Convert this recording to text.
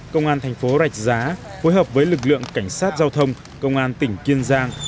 công an thành phố rạch giá phối hợp với lực lượng cảnh sát giao thông công an tỉnh kiên giang